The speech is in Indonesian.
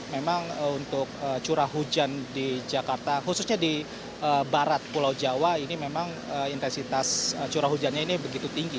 memang untuk curah hujan di jakarta khususnya di barat pulau jawa ini memang intensitas curah hujannya ini begitu tinggi